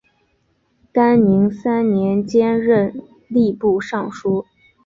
干宁三年兼任吏部尚书。